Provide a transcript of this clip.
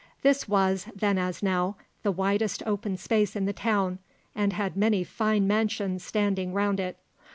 This was, then as now, the widest open space in the town, and had many fine mansions standing round it.